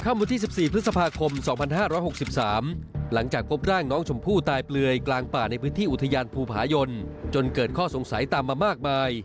วันที่๑๔พฤษภาคม๒๕๖๓หลังจากพบร่างน้องชมพู่ตายเปลือยกลางป่าในพื้นที่อุทยานภูผายนจนเกิดข้อสงสัยตามมามากมาย